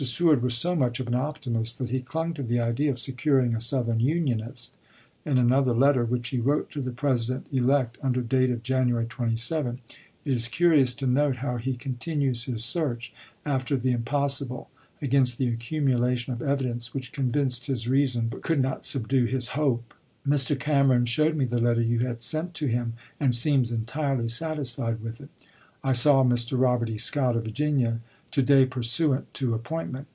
Seward was so much of an optimist that he clung to the idea of securing a Southern unionist. In another letter which he wrote to the President elect, under date of January 27, it is curious to note how he continues his search after the impos sible, against the accumulation of evidence which convinced his reason but could not subdue his hope: Mr. Cameron showed me the letter you had sent to him, and seems entirely satisfied with it. I saw Mr. Robert E. Scott, of Virginia, to day pursuant to appointment.